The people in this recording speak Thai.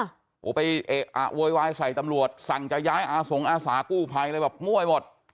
โหไปเว้ยวายใส่ตำรวจสั่งจะย้ายอาสงฆ์อาสากู้ภัยแล้วแบบม่วยหมด